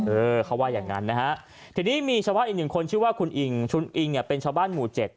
เออเขาว่าอย่างนั้นนะฮะทีนี้มีชาวบ้านอีกหนึ่งคนชื่อว่าคุณอิงชุนอิงเนี่ยเป็นชาวบ้านหมู่เจ็ด